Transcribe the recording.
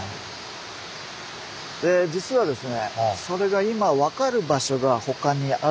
実はですね